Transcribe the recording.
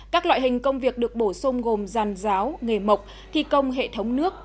các loại hình công việc được bổ sung gồm giàn giáo nghề mộc thi công hệ thống nước